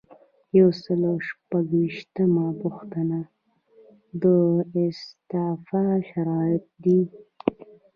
یو سل او شپږ ویشتمه پوښتنه د استعفا شرایط دي.